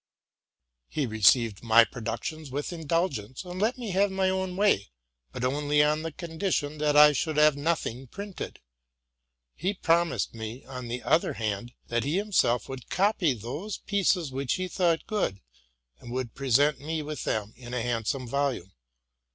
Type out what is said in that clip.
He received my pr oductions with indulgence, and let me have my own way, but only on the condition that I should have nothing printed. He promised me, on the other hand, that he himself would copy those pieces which he thought good, and would present me with them in a hand some volume.